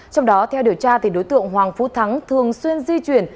trong đó theo điều tra đối tượng hoàng phú thắng thường xuyên di chuyển